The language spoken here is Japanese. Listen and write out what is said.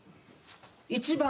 １番。